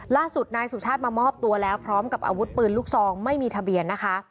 ล่าสุดนายสุชาติมามอบตัวแล้วพร้อมกับอาวุธปืนลูกซองไม่มีทะเบียนนะคะ